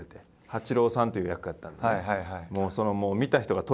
八郎さんという役やったんでね。